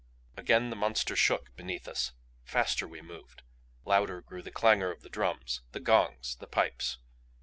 Again the monster shook beneath us. Faster we moved. Louder grew the clangor of the drums, the gongs, the pipes.